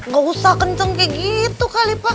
gak usah kenceng kayak gitu kali pak